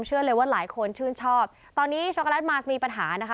เชื่อเลยว่าหลายคนชื่นชอบตอนนี้ช็อกโกแลตมาสมีปัญหานะคะ